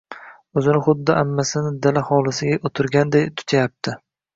O‘zini xuddi ammasini dala xovlisida utirganday tutyaayupti.